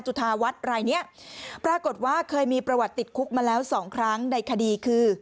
จุธาวัฒน์รายนี้ปรากฏว่าเคยมีประวัติติดคุกมาแล้วสองครั้งในคดีคือ